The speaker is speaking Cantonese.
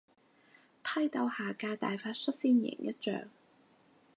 批鬥下架大法率先贏一仗